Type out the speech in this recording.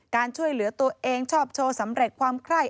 การช่วยเหลือตัวเองชอบโชว์สำเร็จความไคร้